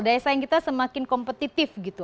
daya saing kita semakin kompetitif gitu